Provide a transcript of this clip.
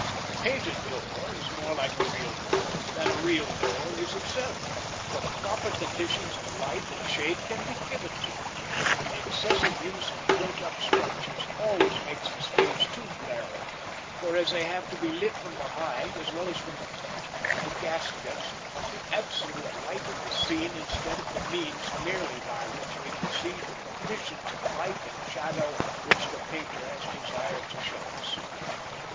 A painted door is more like a real door than a real door is itself, for the proper conditions of light and shade can be given to it; and the excessive use of built up structures always makes the stage too glaring, for as they have to be lit from behind, as well as from the front, the gas jets become the absolute light of the scene instead of the means merely by which we perceive the conditions of light and shadow which the painter has desired to show us.